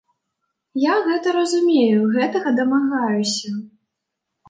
Я гэта разумею, гэтага дамагаюся.